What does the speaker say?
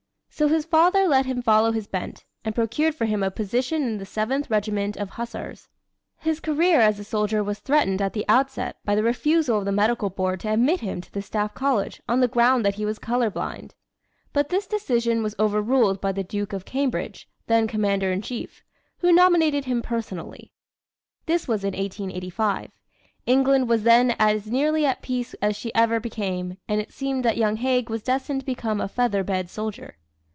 So his father let him follow his bent, and procured for him a position in the Seventh Regiment of Hussars. His career as a soldier was threatened at the outset by the refusal of the medical board to admit him to the Staff College on the ground that he was color blind; but this decision was over ruled by the Duke of Cambridge, then commander in chief, who nominated him personally. This was in 1885. England was then as nearly at peace as she ever became, and it seemed that young Haig was destined to become a feather bed soldier.